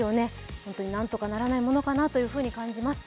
本当に何とかならないものかなと感じます。